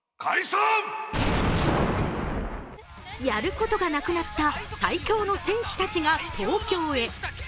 やることがなくなった最強の戦士たちが東京へ。